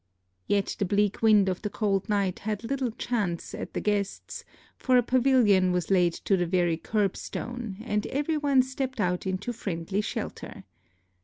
Yet the bleak wind of the cold night had little chance at the guests, for a pavilion was laid to the very curb stone, and everybody stepped out into friendly shelter.